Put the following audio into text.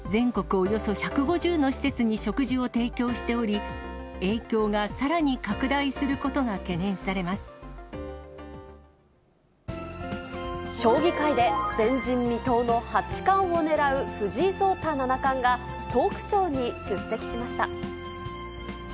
およそ１５０の施設に食事を提供しており、影響がさらに拡大することが将棋界で、前人未到の八冠を狙う藤井聡太七冠が、トークショーに出席しました。